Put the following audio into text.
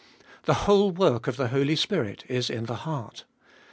The whole work of the Holy Spirit is in the heart.